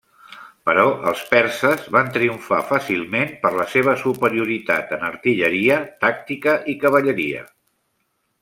Però els perses van triomfar fàcilment per la seva superioritat en artilleria, tàctica i cavalleria.